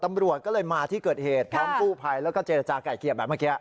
ตำรวจก็เลยมาที่เกิดเหตุพร้อมกู้ภัยแล้วก็เจรจาก่ายเกลี่ยแบบเมื่อกี้